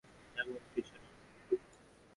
এমন কিছু না।